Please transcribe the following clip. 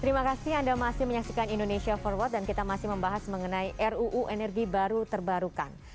terima kasih anda masih menyaksikan indonesia forward dan kita masih membahas mengenai ruu energi baru terbarukan